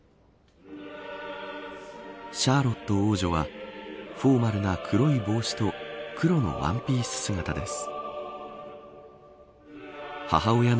シャーロット王女はフォーマルな黒い帽子と黒のワンピース姿です。